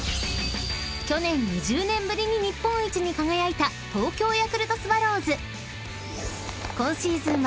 ［去年２０年ぶりに日本一に輝いた東京ヤクルトスワローズ］